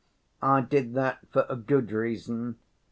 "I did that for a good reason.